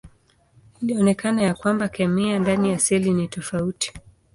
Ilionekana ya kwamba kemia ndani ya seli ni tofauti.